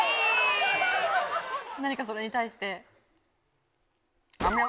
何かそれに対して。